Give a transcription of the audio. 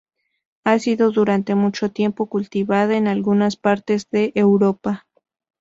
Ha sido durante mucho tiempo cultivada en algunas partes de Europa.